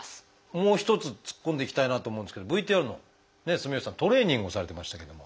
もう一つ突っ込んでいきたいなと思うんですけどＶＴＲの住吉さんトレーニングをされてましたけれども。